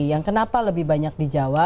yang kenapa lebih banyak di jawa